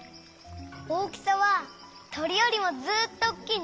大きさはとりよりもずっとおっきいんだ！